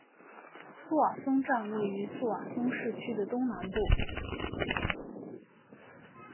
苏瓦松站位于苏瓦松市区的东南部。